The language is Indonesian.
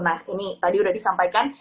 nah ini tadi sudah disampaikan